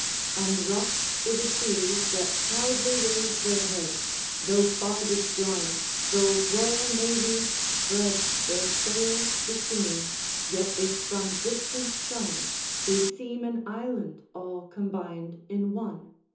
"And rocks i' th' seas that proudly raise their head, Though far disjoined, though royal navies spread, Their sails between; yet if from distance shown, They seem an island all combin'd in one.